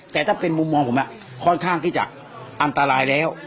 แต่ถ้าเป็นมุมมองผมค่อนข้างที่จะอันตรายแล้ว